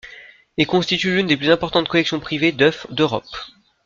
Il constitue l’une des plus importantes collections privés d’œufs d’Europe.